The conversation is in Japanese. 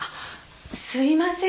すいません。